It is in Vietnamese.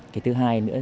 cái thứ hai nữa